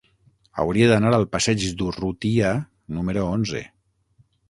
Hauria d'anar al passeig d'Urrutia número onze.